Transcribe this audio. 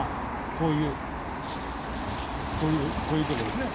こういうこういうとこですね。